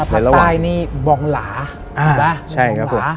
อภัทรตายนี่บองหลาถูกปะบองหลา